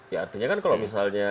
ya artinya kan kalau misalnya